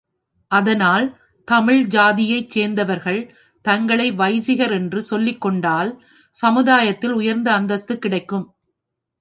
அதனால் தமிழ் ஜாதியைச் சேர்ந்தவர்கள் தங்களை வைசியர்கள் என்று சொல்லிக்கொண்டால், சமுதாயத்தில் உயர்ந்த அந்தஸ்து கிடைக்கும்.